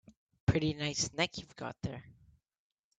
Pretty nice neck you've got there.